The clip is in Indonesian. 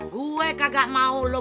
gua kagak mau lu